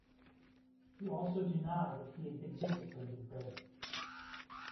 He also denied that he had been disciplined in prison.